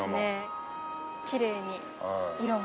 きれいに色も。